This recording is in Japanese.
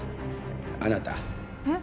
あなたえっ？